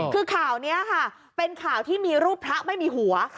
คือข่าวนี้ค่ะเป็นข่าวที่มีรูปพระไม่มีหัว